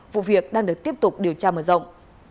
vụ việc đang được tiếp tục điều tra mở rộng